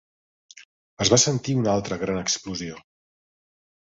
Es va sentir una altra gran explosió.